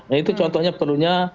nah itu contohnya penuhnya